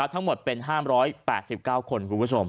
ทั้งหมดเป็น๕๘๙คน